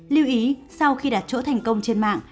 lưu ý sau khi đặt chỗ thành công trên mạng